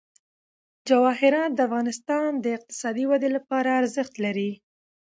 جواهرات د افغانستان د اقتصادي ودې لپاره ارزښت لري.